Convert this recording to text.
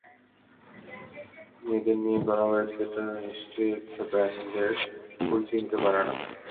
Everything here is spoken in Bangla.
মেয়েদের নিয়ে গড়া হয়েছে, এটা নিশ্চয়ই একটা ব্যান্ডের পরিচয় হতে পারে না।